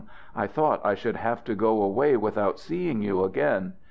I thought I should have to go away without seeing you again!